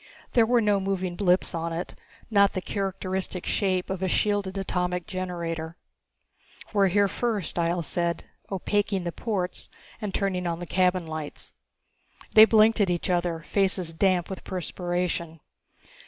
There were no moving blips on it, not the characteristic shape of a shielded atomic generator. "We're here first," Ihjel said, opaqueing the ports and turning on the cabin lights. They blinked at each other, faces damp with perspiration.